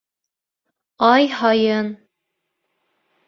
Ай һайын